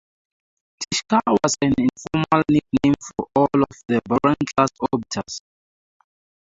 "Ptichka" was an informal nickname for all of the Buran-class orbiters.